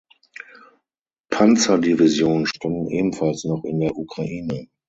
Panzerdivision standen ebenfalls noch in der Ukraine.